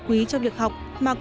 quý cho việc học